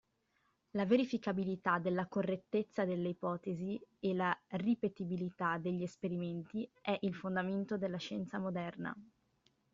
La verificabilità della correttezza delle ipotesi e la ripetibilità degli esperimenti è il fondamento della scienza moderna.